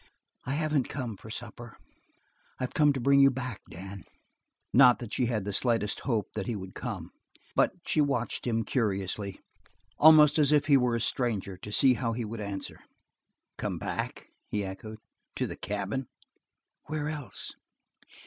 "I haven't come for supper. I've come to bring you back, Dan." Not that she had the slightest hope that he would come, but she watched him curiously, almost as if he were a stranger, to see how he would answer. "Come back?" he echoed. "To the cabin?" "Where else?"